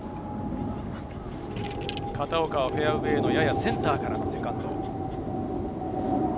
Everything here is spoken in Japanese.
片岡はフェアウエーのややセンターからのセカンド。